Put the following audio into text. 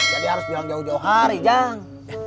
jadi harus bilang jauh jauh hari jang